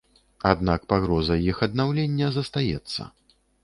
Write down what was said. Аднак пагроза іх аднаўлення застаецца.